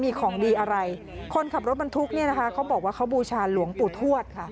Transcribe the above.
มีของดีอะไรคนขับรถบรรทุกเนี่ยนะคะเขาบอกว่าเขาบูชาหลวงปู่ทวดค่ะ